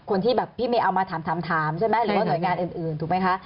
ที่แบบพี่เมย์เอามาถามใช่ไหมหรือว่าหน่วยงานอื่นถูกไหมคะ